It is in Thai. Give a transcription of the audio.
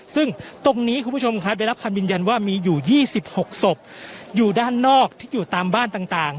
ซึ่งตรงนี้คุณผู้ชมครับได้รับคำยืนยันว่ามีอยู่๒๖ศพอยู่ด้านนอกที่อยู่ตามบ้านต่าง